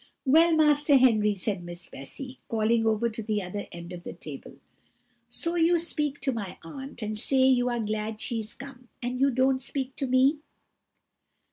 "Well, Master Henry," said Miss Bessy, calling over to the other end of the table, "so you speak to my aunt, and say you are glad she is come, and you don't speak to me."